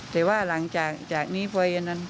แต่ว่าหลังจากนี้ไป